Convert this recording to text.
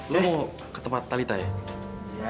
lo mau ke tempat talitha ya